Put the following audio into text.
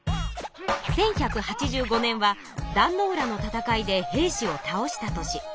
１１８５年は壇ノ浦の戦いで平氏を倒した年。